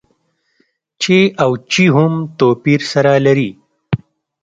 چې او چي هم توپير سره لري.